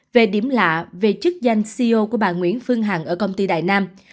về điểm lạ về chức danh ceo của bà nguyễn phương hằng ở công ty đại nam